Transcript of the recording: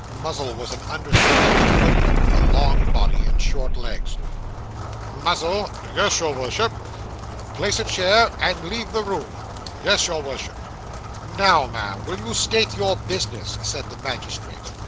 Muzzle was an undersized footman, with a long body and short legs. 'Muzzle!' Yes, your Worship.' 'Place a chair, and leave the room.' 'Yes, your Worship.' 'Now, ma'am, will you state your business?' said the magistrate.